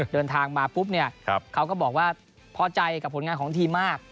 เดินทางมาปุ๊บเนี่ยเขาก็บอกว่าพอใจกับผลงานของทีมมาก